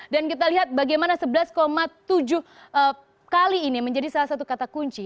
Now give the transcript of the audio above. dan kita lihat bagaimana sebelas tujuh kali ini menjadi salah satu kata kunci